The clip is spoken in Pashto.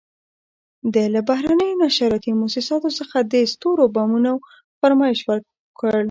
ده له بهرنیو نشراتي موسساتو څخه د سترو بمونو فرمایش وکړ.